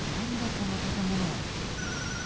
この建物。